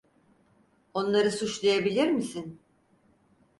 Onları suçlayabilir misin?